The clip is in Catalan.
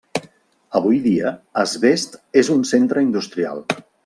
Avui dia Asbest és un centre industrial.